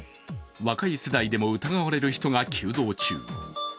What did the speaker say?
若い世代でも疑われる人が急増中。